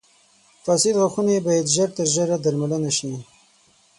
• فاسد غاښونه باید ژر تر ژره درملنه شي.